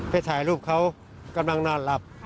ไปถ่ายรูปเขากำลังนอนหลับ